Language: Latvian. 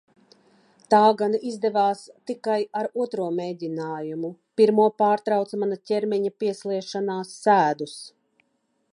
Tā gan izdevās tikai ar otro mēģinājumu, pirmo pārtrauca mana ķermeņa piesliešanās sēdus.